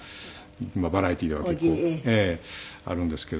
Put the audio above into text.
バラエティーでは結構あるんですけど。